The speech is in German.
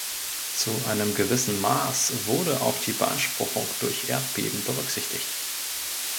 Zu einem gewissen Mass wurde auch die Beanspruchung durch Erdbeben berücksichtigt.